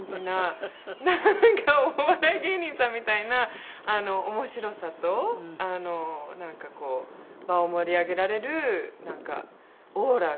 なんかお笑い芸人さんみたいな面白さとなんかこう場を盛り上げられるオーラがあって。